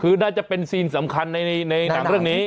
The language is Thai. คือน่าจะเป็นซีนสำคัญในหนังเรื่องนี้